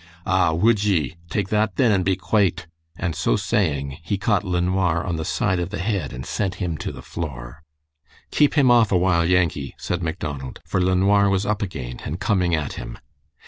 "Ah! would ye? Take that, then, and be quate!" and so saying, he caught LeNoir on the side of the head and sent him to the floor. "Keep him off a while, Yankee!" said Macdonald, for LeNoir was up again, and coming at him.